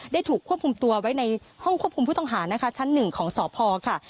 ถูกควบคุมตัวไว้ในห้องควบคุมผู้ต้องหานะคะชั้นหนึ่งของสพค่ะ